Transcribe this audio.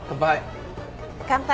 乾杯。